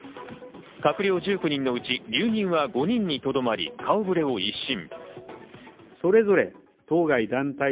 閣僚１９人のうち、留任は５人にとどまり、顔ぶれを一新。